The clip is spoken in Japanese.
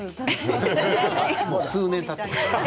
数年たっています。